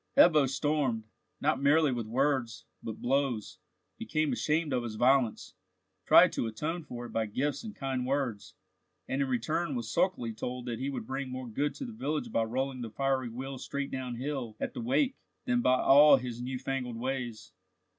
Ebbo stormed, not merely with words, but blows, became ashamed of his violence, tried to atone for it by gifts and kind words, and in return was sulkily told that he would bring more good to the village by rolling the fiery wheel straight down hill at the wake, than by all his new fangled ways.